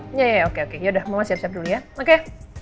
iya iya iya oke oke yaudah mama siap siap dulu ya oke